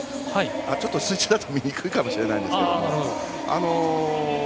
ちょっと水中だと見にくいかもしれないですけど。